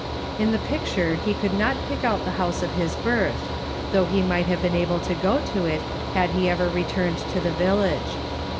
In the picture he could not pick out the house of his birth, though he might have been able to go to it had he ever returned to the village.